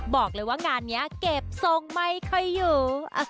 บอกเลยว่างานนี้เก็บทรงไม่ค่อยอยู่